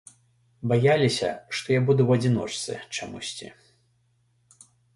Баяліся, што я буду ў адзіночцы, чамусьці.